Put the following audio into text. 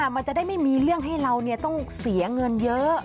มันจะได้ไม่มีเรื่องให้เราต้องเสียเงินเยอะ